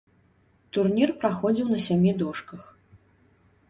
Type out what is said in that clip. Турнір праходзіў на сямі дошках.